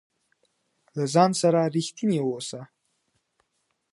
له ځان سره رښتينی اوسه